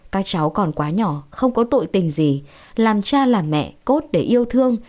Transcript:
các cháu còn quá nhỏ không có tội tình gì làm cha làm mẹ cốt để yêu thương